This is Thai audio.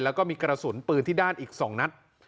แล้วก็มีกระสุนปืนที่ด้านอีก๒นัด